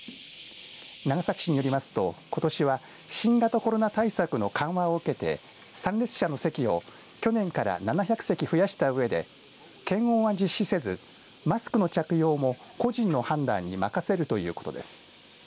長崎市によりますと、ことしは新型コロナ対策の緩和を受けて参列者の席を去年から７００席増やしたうえで検温は実施せず、マスクの着用も個人の判断に任せるということです。